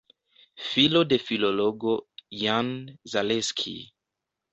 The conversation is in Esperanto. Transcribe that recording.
Filo de filologo Jan Zaleski.